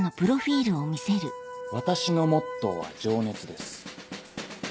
「私のモットーは情熱です！」。